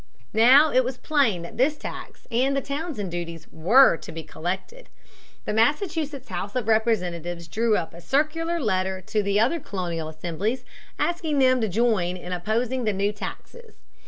Now it was plain that this tax and the Townshend duties were to be collected. The Massachusetts House of Representatives drew up a circular letter to the other colonial assemblies asking them to join in opposing the new taxes.